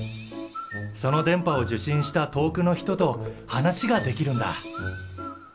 その電波を受信した遠くの人と話ができるんだ。